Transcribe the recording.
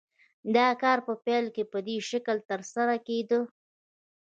دا کار په پیل کې په دې شکل ترسره کېده